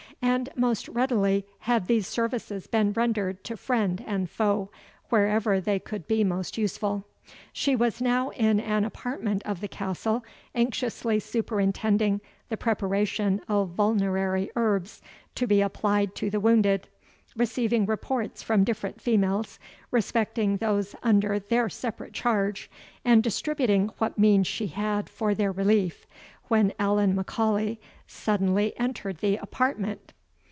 And most readily had these services been rendered to friend and foe, wherever they could be most useful. She was now in an apartment of the castle, anxiously superintending the preparation of vulnerary herbs, to be applied to the wounded; receiving reports from different females respecting those under their separate charge, and distributing what means she had for their relief, when Allan M'Aulay suddenly entered the apartment.